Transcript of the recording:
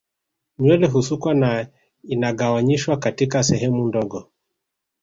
Nywele husukwa na inagawanyishwa katika sehemu ndogo